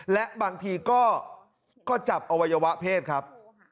และบางทีก็จับอวัยวะเพศครับ